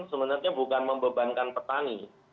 sebenarnya bukan membebankan petani